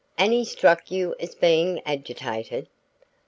"And he struck you as being agitated?"